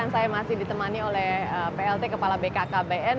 saya masih ditemani oleh plt kepala bkkbn